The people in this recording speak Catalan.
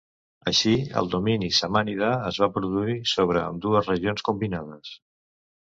Així, el domini samànida es va produir sobre ambdues regions combinades.